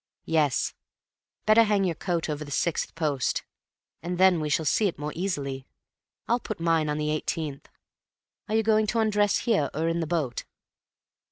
"Yes. Better hang your coat over the sixth post, and then we shall see it more easily. I'll put mine on the eighteenth. Are you going to undress here or in the boat?"